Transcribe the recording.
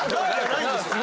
ないんです。